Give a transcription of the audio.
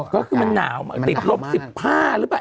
ก็คือมันหนาวติดลบ๑๕หรือเปล่า